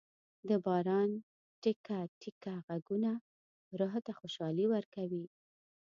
د باران ټېکه ټېکه ږغونه روح ته خوشالي ورکوي.